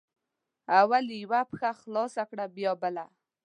اول یې یوه پښه خلاصه کړه بیا بله